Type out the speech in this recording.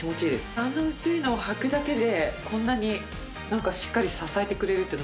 あんな薄いのをはくだけでこんなにしっかり支えてくれるっていうのビックリです。